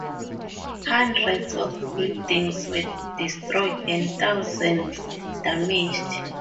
Hundreds of buildings were destroyed and thousands damaged.